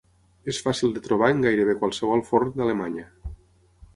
És fàcil de trobar en gairebé qualsevol forn d'Alemanya.